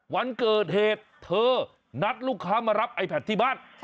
วันเกิดเหตุเธอนัดลูกค้ามารับไอแพทที่บ้าน